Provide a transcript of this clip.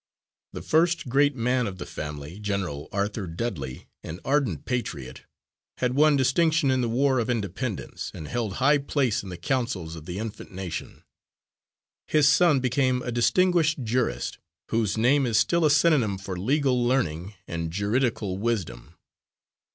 The first great man of the family, General Arthur Dudley, an ardent patriot, had won distinction in the War of Independence, and held high place in the councils of the infant nation. His son became a distinguished jurist, whose name is still a synonym for legal learning and juridical wisdom.